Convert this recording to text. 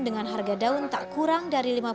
dengan harga daun tak kurang dari